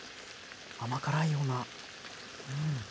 甘辛いような。